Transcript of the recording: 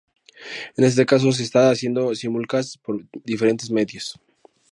En este caso se está haciendo simulcast por diferentes medios.